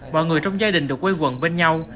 mọi người trong gia đình được quây quần bên nhau